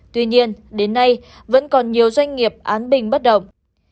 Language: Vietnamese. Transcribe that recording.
tuy nhiên đến nay vẫn còn nhiều doanh nghiệp án bình bất động